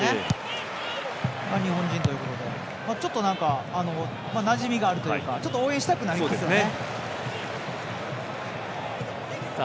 なじみがあるというか応援したくなりますね。